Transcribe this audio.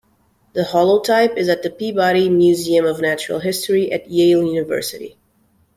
The holotype is at the Peabody Museum of Natural History at Yale University.